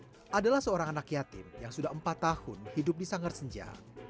yang adalah seorang anak yatim yang sudah empat tahun hidup di sanggar senja